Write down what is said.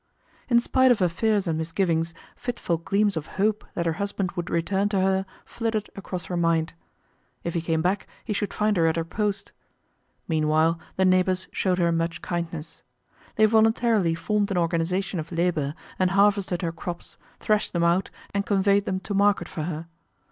In spite of her fears and misgivings, fitful gleams of hope that her husband would return to her flitted across her mind. If he came back he should find her at her post. Meanwhile the neighbors showed her much kindness. They voluntarily formed an organisation of labor, and harvested her crops, threshed them out and conveyed them to market for her.